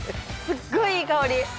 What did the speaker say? すっごいいい香り。